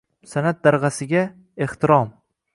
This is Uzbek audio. Sanʼat dargʻasiga ehtirom